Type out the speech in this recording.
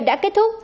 đã kết thúc